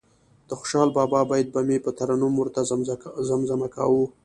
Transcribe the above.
د خوشال بابا بیت به مې په ترنم ورته زمزمه کاوه.